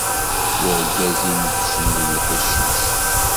D arẓaz inebbcen deg leḥcic.